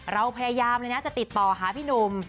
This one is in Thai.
เราพยายามเลยนะจะติดต่อหาพี่หนุ่ม